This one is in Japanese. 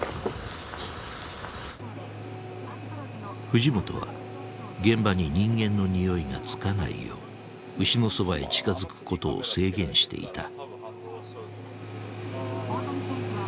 藤本は現場に人間のにおいがつかないよう牛のそばへ近づくことを制限していた。